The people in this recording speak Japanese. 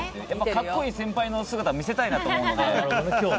格好いい姿を見せたいなと思うので。